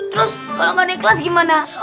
terus kalau nggak naik kelas gimana